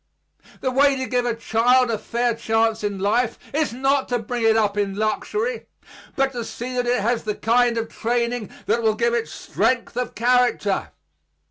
The way to give a child a fair chance in life is not to bring it up in luxury, but to see that it has the kind of training that will give it strength of character.